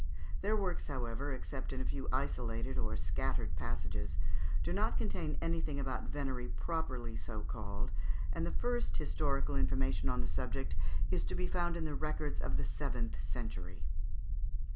Their works, however, except in a few isolated or scattered passages, do not contain anything about venery properly so called, and the first historical information on the subject is to be found in the records of the seventh century.